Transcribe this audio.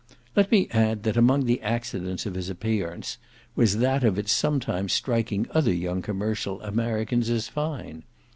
Let me add that among the accidents of his appearance was that of its sometimes striking other young commercial Americans as fine.